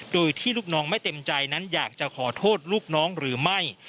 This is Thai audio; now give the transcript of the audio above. โดยที่ลูกน้องไม่เต็มใจนั้นอยากจะขอโทษลูกน้องหรือไม่